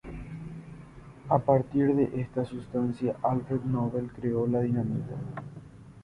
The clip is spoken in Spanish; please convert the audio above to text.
A partir de esta sustancia, Alfred Nobel creó la dinamita.